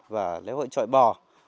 và lễ hội trọi bò